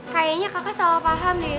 kayaknya kakak salah paham deh